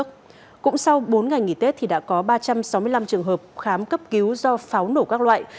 cũng sau bốn ngày nghỉ tết thì đã có ba trăm sáu mươi năm trường hợp khám cấp cứu do pháo nổ các loại